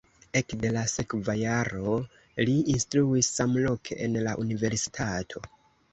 Ekde la sekva jaro li instruis samloke en la universitato.